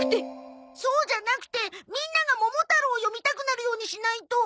そうじゃなくてみんなが『ももたろう』を読みたくなるようにしないと。